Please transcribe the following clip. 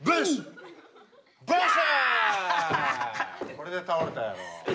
これで倒れたやろ。